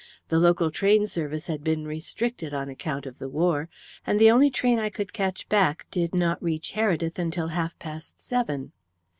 The local train service had been restricted on account of the war, and the only train I could catch back did not reach Heredith until half past seven.